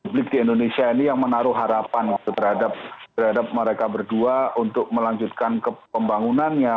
publik di indonesia ini yang menaruh harapan terhadap mereka berdua untuk melanjutkan pembangunannya